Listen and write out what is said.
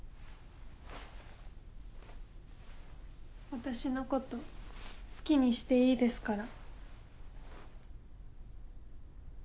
私のこと好きにしていいですから。